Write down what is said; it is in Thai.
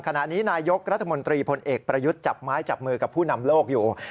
ขณะนี้นายกรัฐมนตรีพลเอกประยุทธ์จับไม้จับมือกับผู้นำโลกอยู่